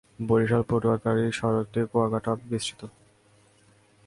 বরিশাল-পটুয়াখালী সড়কটি কুয়াকাটা অবধি বিস্তৃত।